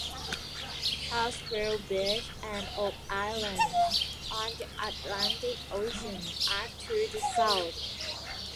Caswell Beach and Oak Island on the Atlantic Ocean are to the south.